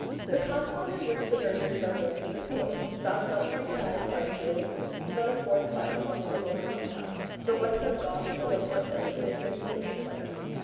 ] The compound in which the nurseries are built is a field, bounded on three sides by fields, and on the fourth by the bungalow compound. The Western Ghauts with their foothills make it a beautiful place.